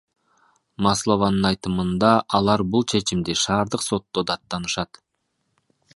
Маслованын айтымында, алар бул чечимди шаардык сотто даттанышат.